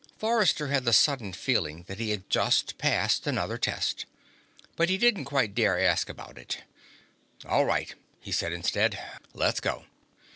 Forrester had the sudden feeling that he had just passed another test. But he didn't quite dare ask about it "All right," he said instead. "Let's go."